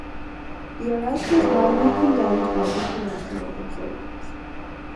The arrest was widely condemned by international observers.